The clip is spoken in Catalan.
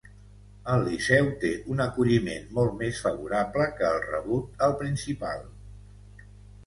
Al Liceu té un acolliment molt més favorable que el rebut al Principal.